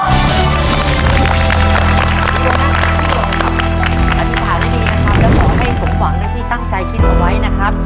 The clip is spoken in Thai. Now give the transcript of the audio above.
อธิษฐานให้ดีนะครับแล้วขอให้สมหวังได้ที่ตั้งใจคิดเอาไว้นะครับ